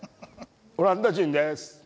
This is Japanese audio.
オランダ人です。